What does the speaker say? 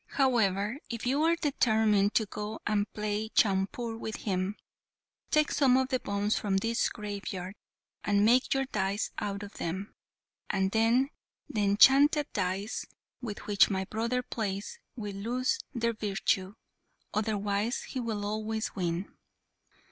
However, if you are determined to go and play chaupur with him, take some of the bones from this graveyard, and make your dice out of them, and then the enchanted dice with which my brother plays will lose their virtue. Otherwise he will always win."